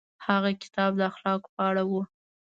هغه کتاب د اخلاقو په اړه و.